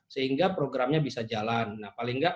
sehingga programnya bisa jalan